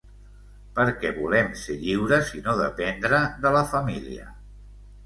Perquè volem ser lliures i no dependre de la família...